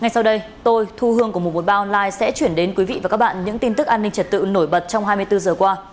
xin chào quý vị và các bạn những tin tức an ninh trật tự nổi bật trong hai mươi bốn h qua